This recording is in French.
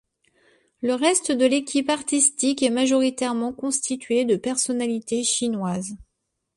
Le reste de l'équipe artistique est majoritairement constituée de personnalités chinoises.